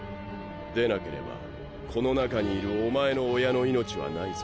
でなければこの中にいるおまえの親の命はないぞ。